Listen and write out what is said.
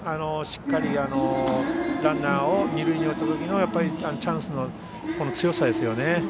しっかりランナーが二塁に行ったときのチャンスの強さですよね。